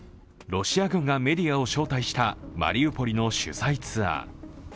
ロシア軍がメディアを招待したマリウポリの取材ツアー。